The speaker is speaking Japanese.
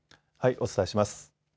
お伝えします。